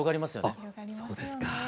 おっそうですか。